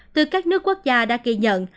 từ các nước quốc gia đã ghi nhận